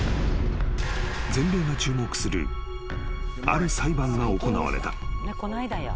［全米が注目するある裁判が行われた］